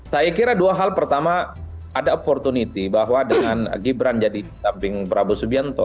saya kira dua hal pertama ada opportunity bahwa dengan gibran jadi damping prabowo subianto